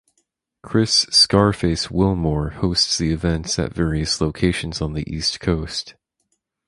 Chris "Scarface" Wilmore hosts the events at various locations on the east coast.